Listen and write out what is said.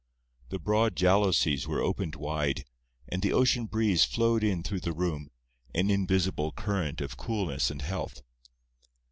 The broad jalousies were opened wide, and the ocean breeze flowed in through the room, an invisible current of coolness and health.